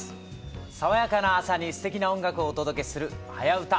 爽やかな朝にすてきな音楽をお届けする「はやウタ」